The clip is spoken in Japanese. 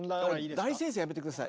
「大先生」はやめて下さい。